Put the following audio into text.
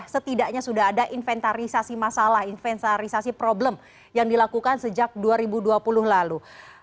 setidaknya sudah ada inventarisasi masalah inventarisasi problem yang dilakukan sejak dua ribu dua puluh lalu